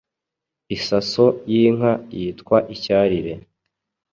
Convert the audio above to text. Isaso y’inka yitwa Icyarire